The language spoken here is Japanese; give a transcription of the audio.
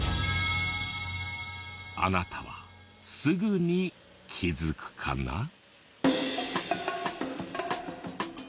あなたはすぐに気づくかな？